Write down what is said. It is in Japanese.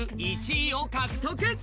１位を獲得。